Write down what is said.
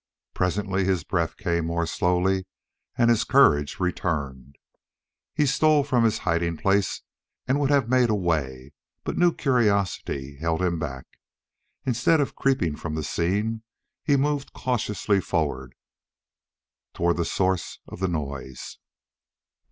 Presently his breath came more slowly and his courage returned. He stole from his hiding place and would have made away, but new curiosity held him back. Instead of creeping from the scene, he moved cautiously toward the source of the noise.